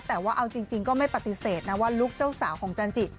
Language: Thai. แต่ว่าเอาจริงก็ไม่ปฏิเสธนะว่าลูกเจ้าสาวของจันจิ